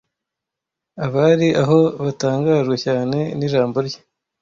Abari aho batangajwe cyane n'ijambo rye.